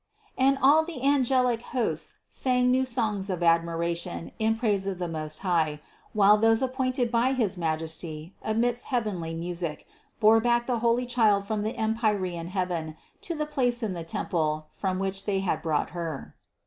And all the angelic host sang new songs of admiration in praise of the Most High, while those appointed by his Majesty, midst heavenly music, bore back the holy Child from the empyrean heaven to the place in the temple, from which they had brought Her.